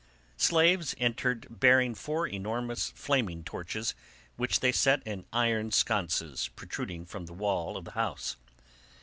Slaves entered bearing four enormous flaming torches which they set in iron sconces protruding from the wall of the house.